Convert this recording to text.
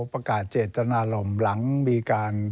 ประกาศเจตนารมณ์หลังมีการ